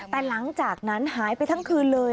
แต่หลังจากนั้นหายไปทั้งคืนเลย